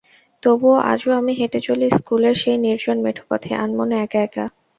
তবুও আজও আমি হেঁটে চলি স্কুলের সেই নির্জন মেঠোপথে, আনমনে একা একা।